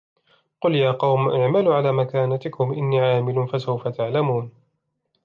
قل يا قوم اعملوا على مكانتكم إني عامل فسوف تعلمون